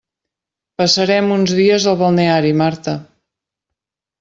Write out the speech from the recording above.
Passarem uns dies al balneari, Marta!